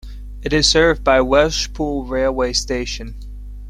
It is served by Welshpool railway station.